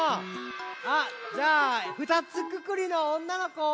あっじゃあ２つくくりのおんなのこ。